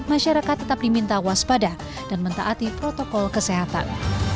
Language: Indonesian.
masyarakat tetap diminta waspada dan mentaati protokol kesehatan